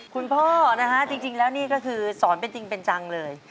คุณพ่อนะฮะจริงแล้วนี่ก็คือสอนเป็นจริงเป็นจังเลย